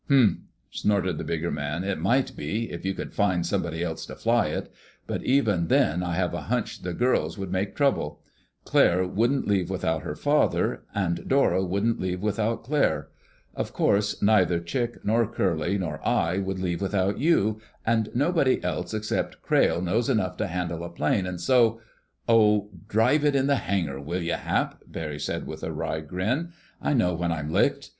"Humph!" snorted the bigger man. "It might be—if you could find somebody else to fly it. But even then I have a hunch the girls would make trouble. Claire wouldn't leave without her father, and Dora wouldn't leave without Claire. Of course neither Chick nor Curly nor I would leave without you, and nobody else except Crayle knows enough to handle a plane; and so—" "Oh, drive it in the hangar, will you, Hap!" Barry said with a wry grin. "I know when I'm licked.